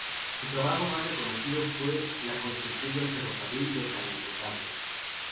Su trabajo más reconocido fue la construcción del ferrocarril de San Gotardo.